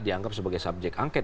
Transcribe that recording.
dianggap sebagai subjek angket